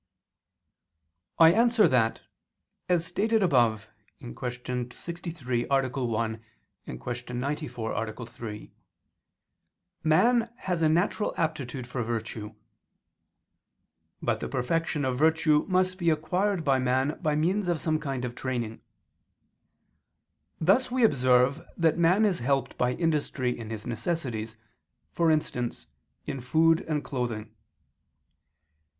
I answer that, As stated above (Q. 63, A. 1; Q. 94, A. 3), man has a natural aptitude for virtue; but the perfection of virtue must be acquired by man by means of some kind of training. Thus we observe that man is helped by industry in his necessities, for instance, in food and clothing.